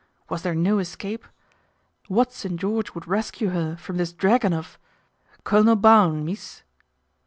Was there no escape ? What St. George would rescue her from this dragon of ?" Colonel Baun, mees."